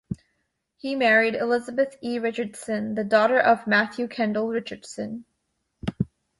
He married Elizabeth E. Richardson, the daughter of Matthew Kendal Richardson.